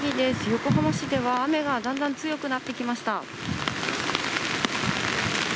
横浜市では雨がだんだん強くなってきました。